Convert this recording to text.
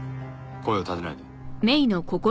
声を立てないで。